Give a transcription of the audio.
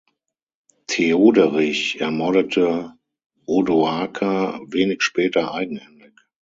Theoderich ermordete Odoaker wenig später eigenhändig.